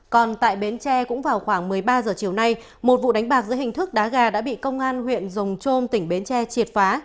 còn tại bến tre cũng vào khoảng một mươi ba h chiều nay một vụ đánh bạc giữa hình thức đá gà đã bị công an huyện rồng trôm tỉnh bến tre triệt phá